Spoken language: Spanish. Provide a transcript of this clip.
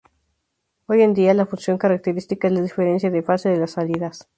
Hoy en día, la función característica es la diferencia de fase de las salidas.